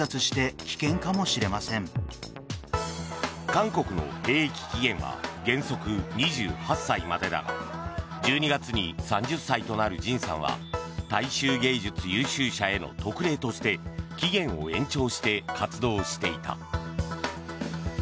韓国の兵役期限は原則２８歳までだが１２月に３０歳となるＪＩＮさんは大衆芸術優秀者への特例として期限を延長して活動していた。